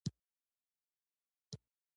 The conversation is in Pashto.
ډېر چاغ کېدل هم ستا لپاره ښه نه دي.